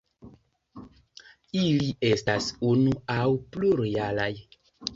Ili estas unu aŭ plurjaraj.